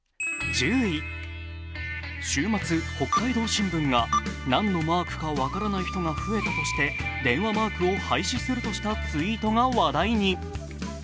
週末「北海道新聞」が何のマークか分からない人が増えたとしてでんわマークを廃止するとしたツイートが話題に。